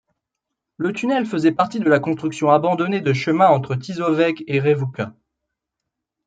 Le tunnel faisait partie de la construction abandonnée de chemin entre Tisovec et Revuca.